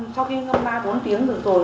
sau khi ngâm ba bốn tiếng được rồi